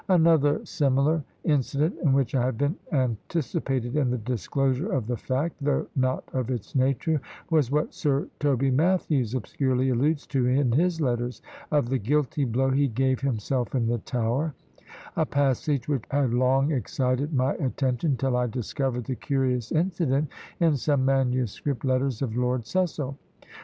Another similar incident, in which I have been anticipated in the disclosure of the fact, though not of its nature, was what Sir Toby Matthews obscurely alludes to in his letters, of "the guilty blow he gave himself in the Tower;" a passage which had long excited my attention, till I discovered the curious incident in some manuscript letters of Lord Cecil.